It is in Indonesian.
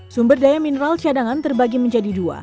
sumber daya mineral cadangan terbagi menjadi dua